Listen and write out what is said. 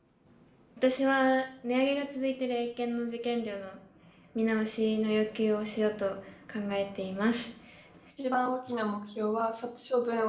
私は値上げが続いている英検の受験料の見直しをしようと考えています。